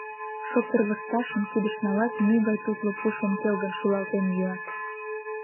Шоптыр лышташым кидыш налат — мӱй гай тутло пушым келгын шӱлалтен йӱат.